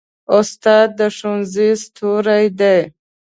استاد د ښوونځي ستوری دی.